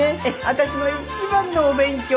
私の一番のお勉強。